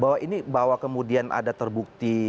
bahwa ini bahwa kemudian ada terbukti